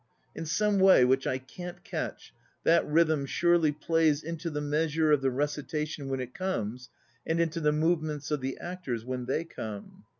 In some way, which I can't catch, that rhythm surely plays into the measure of the recitation when it comes and into the movements of the actors when they come.